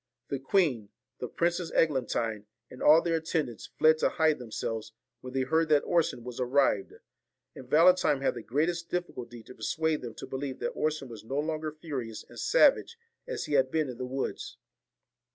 The queen, the Princess Eglantine, and all their attendants, fled to hide themselves when they heard that Orson was arrived ; and Valentine had the greatest difficulty to persuade them to believe that Orson was no longer furious and savage as he had been in the woods.